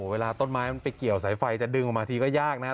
เวลาต้นไม้มันไปเกี่ยวสายไฟจะดึงออกมาทีก็ยากนะครับ